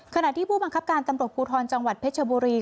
ขณะที่ผู้บังคับการตำรวจภูทรจังหวัดเพชรบุรี